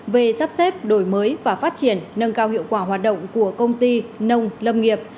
về sắp xếp đổi mới và phát triển nâng cao hiệu quả hoạt động của công ty nông lâm nghiệp